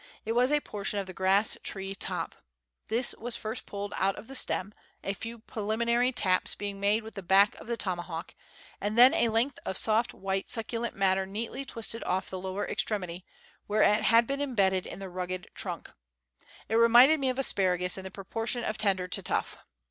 It was a portion of the grass tree top. This was first pulled out of the stem, a few preliminary taps being made with the back of the tomahawk, and then a length of soft, white, succulent matter neatly twisted off the lower extremity, where it had been embedded in the rugged trunk ; it reminded me of asparagus in the proportion of tender to tough.